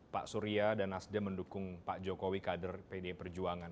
pak surya dan nasdem mendukung pak jokowi kader pdi perjuangan